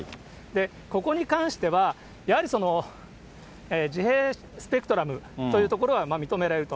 ここに関しては、やはり自閉スペクトラムというところは認められると。